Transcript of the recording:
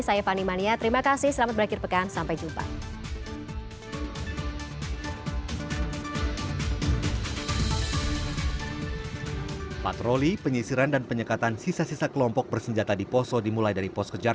saya fani mania terima kasih selamat berakhir pekan sampai jumpa